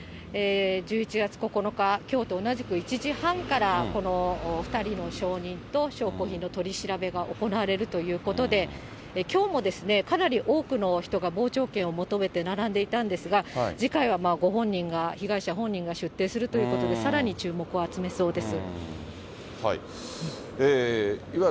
１１月９日、きょうと同じく１時半から、この２人の証人と、証拠品の取り調べが行われるということで、きょうもかなり多くの人が傍聴券を求めて並んでいたんですが、次回はご本人が、被害者本人が出廷するということで、さらに注目を集めそうです。